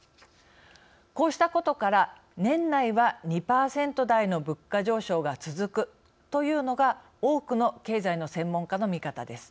こうしたことから年内は２％台の物価上昇が続くというのが多くの経済の専門家の見方です。